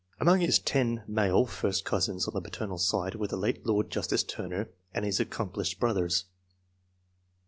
Among his 1 male first cousins on the paternal side were the late Lord Justice Turner and his accomplished brothers.